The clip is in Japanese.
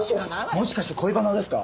もしかして恋バナですか？